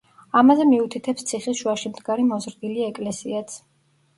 ამაზე მიუთითებს ციხის შუაში მდგარი მოზრდილი ეკლესიაც.